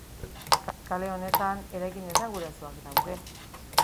Kale honetan eraikin esanguratsuak daude.